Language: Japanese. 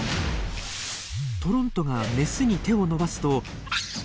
トロントがメスに手を伸ばすと。